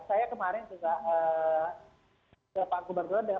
saya kemarin juga